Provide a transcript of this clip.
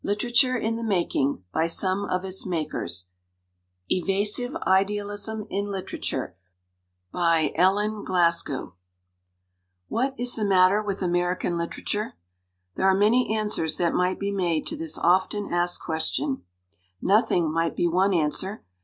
'EVASIVE IDEALISM" IN LITERATURE ELLEN GLASGOW "EVASIVE IDEALISM" IN LITERATURE ELLEN GLASGOW WHAT is the matter with American liter ature? There are many answers that might be made to this of ten asked question. "Nothing" might be one answer.